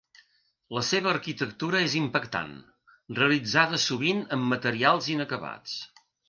La seva arquitectura és impactant, realitzada sovint amb materials inacabats.